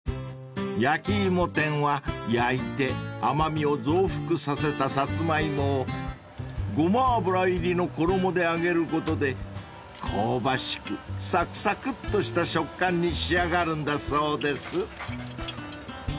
［やきいも天は焼いて甘味を増幅させたサツマイモをごま油入りの衣で揚げることで香ばしくさくさくっとした食感に仕上がるんだそうです］